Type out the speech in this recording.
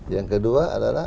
yang kedua adalah